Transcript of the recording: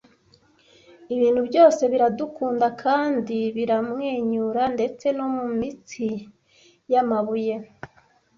ibintu byose biradukunda kandi biramwenyura ndetse no mumitsi yamabuye